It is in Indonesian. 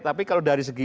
tapi kalau dari segi ilmu